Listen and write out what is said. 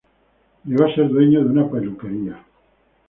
Llegó a ser dueño de una peluquería.